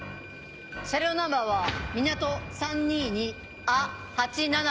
車両ナンバーは「みなと３２２あ８７１」。